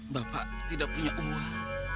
bapak tidak punya uang